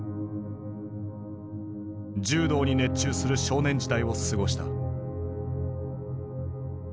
柔道に熱中する少年時代を過ごした。